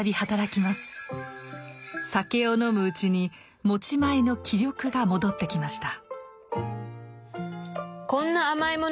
酒を飲むうちに持ち前の気力が戻ってきました。